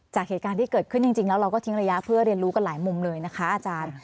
จากเหตุการณ์ที่เกิดขึ้นจริงแล้วเราก็ทิ้งระยะเพื่อเรียนรู้กันหลายมุมเลยนะคะอาจารย์